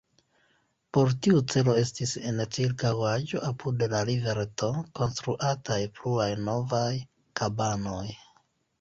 Por tiu celo estis en ĉirkaŭaĵo, apud la rivereto, konstruataj pluaj novaj kabanoj.